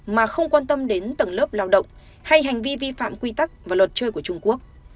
mà không quan tâm đến tầng lớp lao động hay hành vi vi phạm quy tắc và luật chơi của trung quốc